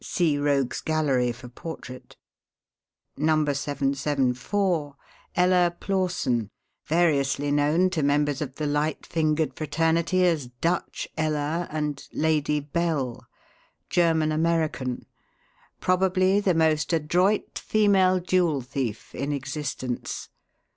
See Rogues' Gallery for portrait. "No. 774 Ella Plawsen, variously known to members of the light fingered fraternity as 'Dutch Ella' and 'Lady Bell.' German American. Probably the most adroit female jewel thief in existence.